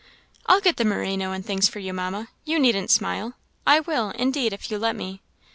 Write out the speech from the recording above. "I'll get the merino and things for you, Mamma. You needn't smile I will, indeed, if you let me."